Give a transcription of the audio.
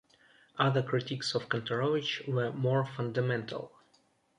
Other critiques of Kantorowicz were more fundamental.